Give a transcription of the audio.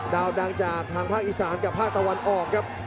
ดาวดังจากทางภาคอีสานกับภาคตะวันออกครับ